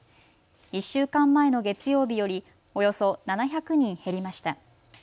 １週間前の月曜日よりおよそ７００人減りました。